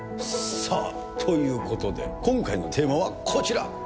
さあ、ということで、今回のテーマはこちら。